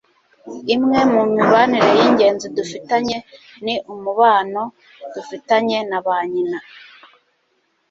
imwe mu mibanire y'ingenzi dufitanye ni umubano dufitanye na ba nyina